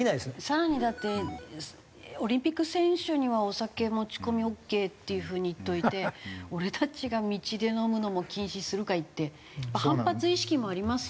更にだってオリンピック選手にはお酒持ち込みオーケーっていう風に言っておいて俺たちが道で飲むのも禁止するかいって反発意識もありますよ。